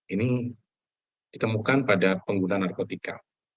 ini ditemukan pada pengguna narkotika